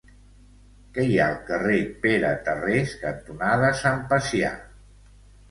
Què hi ha al carrer Pere Tarrés cantonada Sant Pacià?